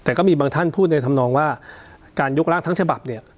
แต่ก็มีบางท่านพูดในธรรมนองว่าการยกร่างทั้งฉบับเนี่ย